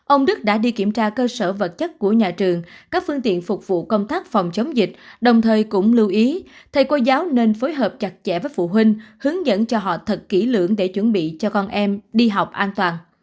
ông đức đã đi kiểm tra cơ sở vật chất của nhà trường các phương tiện phục vụ công tác phòng chống dịch đồng thời cũng lưu ý thầy cô giáo nên phối hợp chặt chẽ với phụ huynh hướng dẫn cho họ thật kỹ lưỡng để chuẩn bị cho con em đi học an toàn